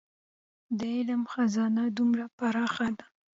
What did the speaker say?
د علم خزانه دومره پراخه ده.